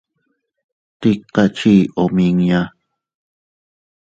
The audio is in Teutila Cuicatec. Tika chii omiña.